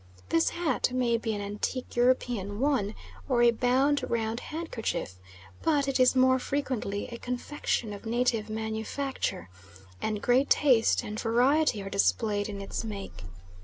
This hat may be an antique European one, or a bound round handkerchief, but it is more frequently a confection of native manufacture, and great taste and variety are displayed in its make.